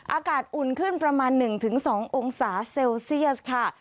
อากาศอุ่นขึ้นประมาณหนึ่งถึงสององศาเซลเซียสค่ะ